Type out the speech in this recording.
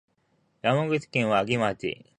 山口県和木町